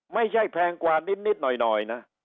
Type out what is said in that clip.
ไม่ใช่แพงกว่านิดหน่อย